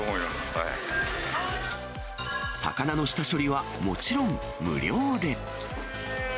魚の下処理はもちろん無料で。